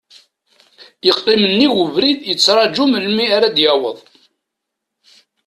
Yeqqim nnig ubrid yettraju melmi ara d-yaweḍ.